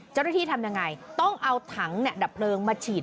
เจ้าหน้าที่ทำยังไงต้องเอาถังดับเพลิงมาฉีด